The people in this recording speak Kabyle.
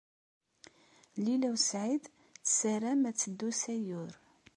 Lila u Saɛid tessaram ad teddu s Ayyur.